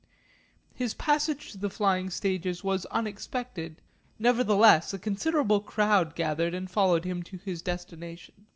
His passage to the flying stages was unexpected, nevertheless a considerable crowd gathered and followed him to his destination.